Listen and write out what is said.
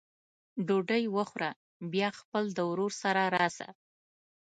ډوډۍ وخوره بیا خپل د ورور سره راسه!